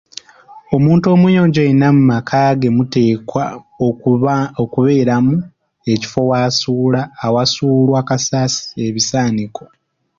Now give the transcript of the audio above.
Omuntu omuyonjo yenna mu maka ge muteekwa okubeeramu ekifo awasuulwa ebisaaniiko.